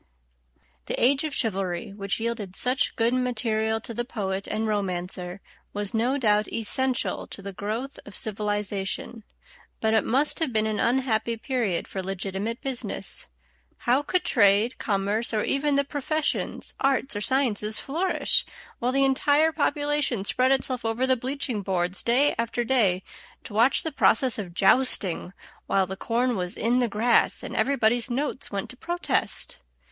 The age of chivalry, which yielded such good material to the poet and romancer, was no doubt essential to the growth of civilization, but it must have been an unhappy period for legitimate business. How could trade, commerce, or even the professions, arts, or sciences, flourish while the entire population spread itself over the bleaching boards, day after day, to watch the process of "jousting," while the corn was "in the grass," and everybody's notes went to protest?